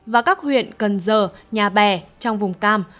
và các huyện cần giờ nhà bè trong vùng cam